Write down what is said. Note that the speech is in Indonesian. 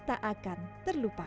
tak akan terlupakan